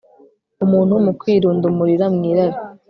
umuntu mu kwirundumurira mu irari